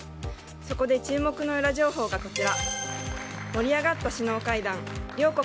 そこで注目のウラ情報がこちら。